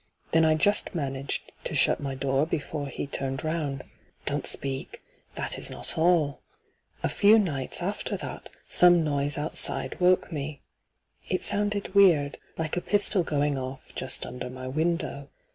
Then I just managed to shut my door before he hyGoogIc — lo ENTRAPPED tttmed round. Don't speak I That is not all. A few nights after that Bome noise oatside woke me. It sounded weird, hke a pistol going off just under my window.